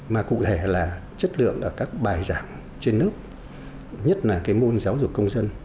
mà cũng thể là chất lượng ở các bài giảng trên nước nhất là môn giáo dục công dân